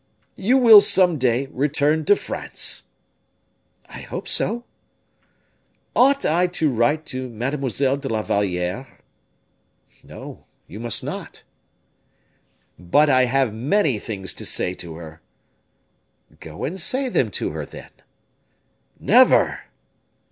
"You will some day return to France?" "I hope so." "Ought I to write to Mademoiselle de la Valliere?" "No, you must not." "But I have many things to say to her." "Go and say them to her, then." "Never!"